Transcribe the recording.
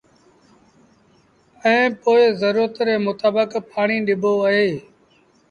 ائيٚݩ پو زرورت ري متآبڪ پآڻيٚ ڏبو اهي